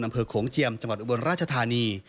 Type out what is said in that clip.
อำเภอโขงเจียมจังหวัดอุบรรณราชธานี